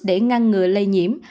để ngăn ngừa lây nhiễm